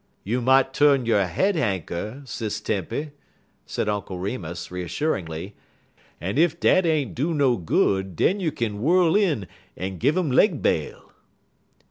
"You mout tu'n yo' head hankcher, Sis Tempy," said Uncle Remus, reassuringly, "en ef dat ain't do no good den you kin whirl in en gin um leg bail."